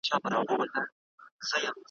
څه به وایم څه به اورم